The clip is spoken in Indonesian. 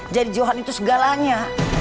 jadi johan itu segalanya